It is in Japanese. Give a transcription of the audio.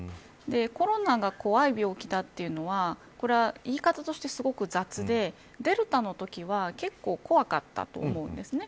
コロナが怖い病気だというのは言い方としてすごく雑でデルタのときは結構怖かったと思うんですね。